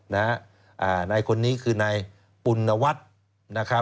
นายคนนี้คือในปุณวัฒน์